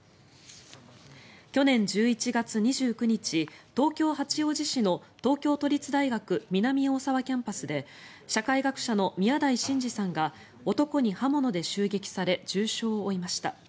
去年１１月２９日東京・八王子市の東京都立大学南大沢キャンパスで社会学者の宮台真司さんが男に刃物で襲撃され重傷を負いました。